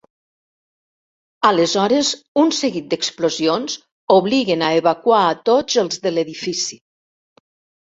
Aleshores un seguit d'explosions, obliguen a evacuar a tots els de l'edifici.